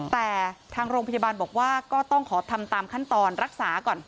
แต่ทางโรงพยาบาลบอกว่าก็ต้องขอทำตามขั้นตอนรักษาก่อน